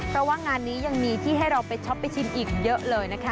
เพราะว่างานนี้ยังมีที่ให้เราไปช็อปไปชิมอีกเยอะเลยนะคะ